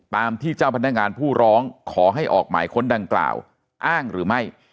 ตามที่เจ้าพนักงานผู้ร้องขอให้ออกหมายค้นดังกล่าวอ้างหรือไม่